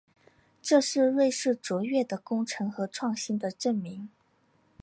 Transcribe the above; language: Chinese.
这是瑞士卓越的工程和创新的证明。